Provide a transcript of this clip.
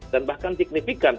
dan bahkan signifikan